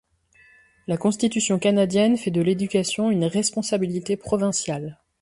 La Constitution canadienne fait de l'éducation une responsabilité provinciale.